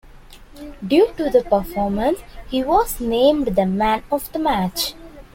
Due to the performance, he was named the Man of the Match.